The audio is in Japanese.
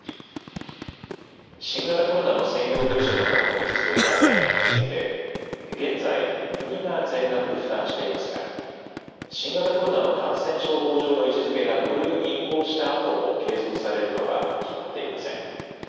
新型コロナの専用病床の確保に必要な財源について現在、国が全額負担していますが新型コロナの感染症法上の位置づけが５類に移行したあとも継続されるかは決まっていません。